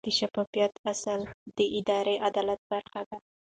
د شفافیت اصل د اداري عدالت برخه ده.